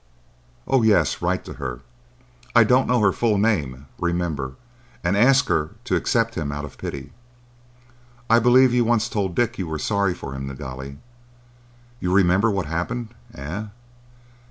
"Oh yes! Write to her,—I don't know her full name, remember,—and ask her to accept him out of pity. I believe you once told Dick you were sorry for him, Nilghai. You remember what happened, eh?